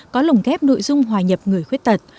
có lồng ghép nội dung hòa nhập người khuyết tật